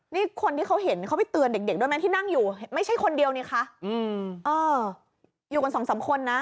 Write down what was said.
นี่คนที่เขาเห็นเขาไปเตือนเด็กด้วยไหมที่นั่งอยู่ไม่ใช่คนเดียวนี่คะเอออยู่กันสองสามคนนะ